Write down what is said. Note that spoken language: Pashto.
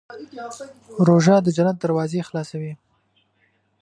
روژه د جنت دروازې خلاصوي.